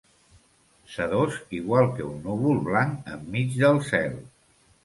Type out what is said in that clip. Sedós igual que un núvol blanc enmig del cel.